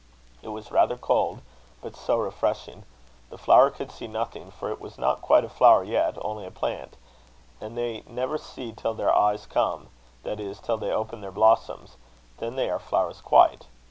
It was rather cold, but so refreshing. The flower could see nothing, for it was not quite a flower yet, only a plant; and they never see till their eyes come, that is, till they open their blossoms then they are flowers quite.